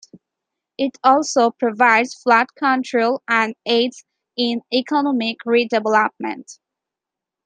It also provides flood control and aids in economic redevelopment.